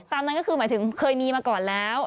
ตามนั้นก็คือหมายถึงเคยมีมาก่อนแล้ว